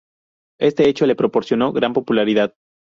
Este hecho le proporcionó gran popularidad.